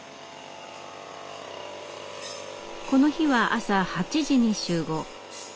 この日は朝８時に集合。